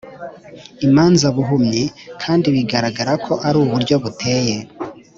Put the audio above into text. imanza buhumyi kandi bigaragara ko ari uburyo buteye